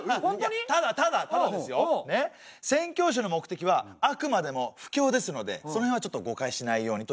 ただただただですよねっ宣教師の目的はあくまでも布教ですのでその辺はちょっと誤解しないようにということですよね。